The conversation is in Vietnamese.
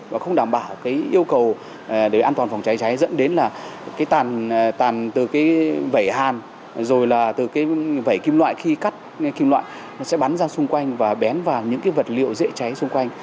và không đảm bảo yêu cầu để an toàn phòng cháy cháy dẫn đến là tàn từ vẩy hàn rồi là từ vẩy kim loại khi cắt kim loại sẽ bắn ra xung quanh và bén vào những vật liệu dễ cháy xung quanh